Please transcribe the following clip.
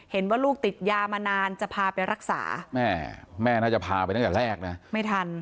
เห็นว่าลูกติดยามานานจะพาไปรักษาแม่แม่น่าจะพาไปตั้งแต่แรกนะไม่ทัน